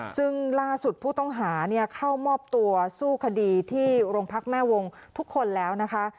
ซึ่งล่าสุดผู้ต้องหาเข้ามอบตัวสู้คดีที่โรงพักแม่วงทุกคนแล้วนะคะ